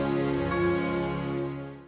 zoom injoinanking pembangkit menu